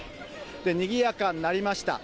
にぎやかになりました。